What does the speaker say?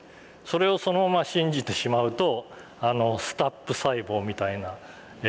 それをそのまま信じてしまうとＳＴＡＰ細胞みたいな。